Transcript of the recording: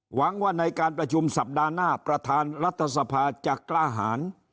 หวังว่าในการประชุมสัปดาห์หน้าประธานรัฐสภาจะกล้าหาร